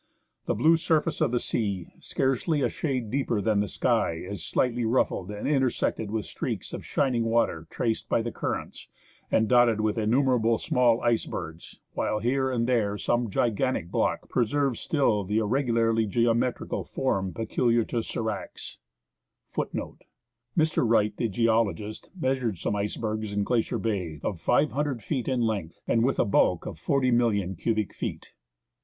The blue surface of the sea, scarcely a shade deeper than the sky, is slightly ruffled and intersected with streaks of shining water traced by the currents, and dotted with innumerable small icebergs, while here and there some gigantic block preserves still the irregularly geometrical form peculiar to sdracs} Some ^ Mr. Wright, the geologist, measured some icebergs in Glacier Bay, of 500 feet in length and with a bulk of 40,000,000 cubic feet.